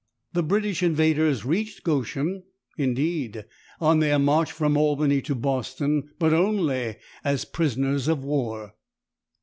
The British invaders reached Goshen, indeed, on their march from Albany to Boston, but only as prisoners of war.